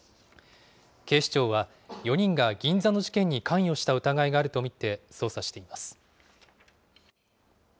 警視庁は、４人が銀座の事件に関与した疑いがあると見て捜査しています。